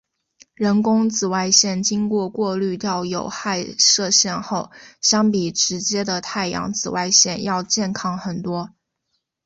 人工紫外线经过过滤掉有害射线后相比直接的太阳紫外线要健康很多。